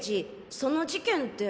その事件って。